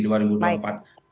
persoalan nanti ada dinamika